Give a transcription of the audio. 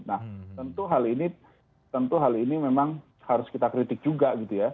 nah tentu hal ini tentu hal ini memang harus kita kritik juga gitu ya